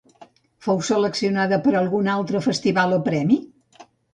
Fou seleccionada per algun altre festival o premi?